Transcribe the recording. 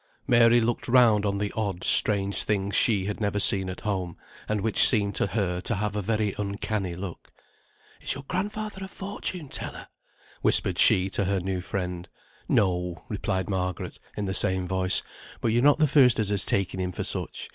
Mary looked round on the odd, strange things she had never seen at home, and which seemed to her to have a very uncanny look. "Is your grandfather a fortune teller?" whispered she to her new friend. "No," replied Margaret, in the same voice; "but you're not the first as has taken him for such.